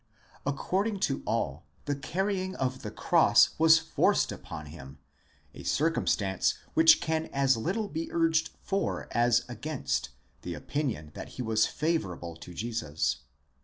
According to all, the carrying of the cross was forced upon him, a circum stance which can as little be urged for as against the opinion that he was favourable to Jesus.